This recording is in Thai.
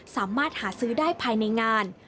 สามารถหาซื้อได้ภายในงาน